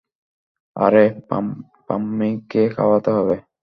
আরে পাম্মিকে খাওয়াতে হবে।